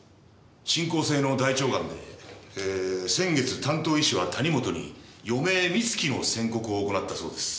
進行性の大腸ガンで先月担当医師は谷本に余命三月の宣告を行ったそうです。